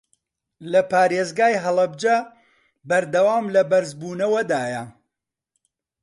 لە پارێزگای هەڵەبجە بەردەوام لە بەرزبوونەوەدایە